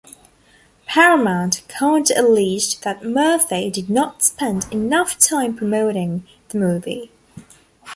Paramount counter-alleged that Murphy did not spend enough time promoting the movie.